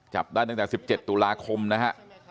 จับได้ตั้งแต่๑๗ตุลาคมนะฮะ